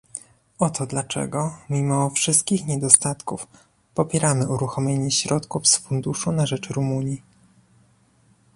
Oto dlaczego, mimo wszystkich niedostatków, popieramy uruchomienie środków z funduszu na rzecz Rumunii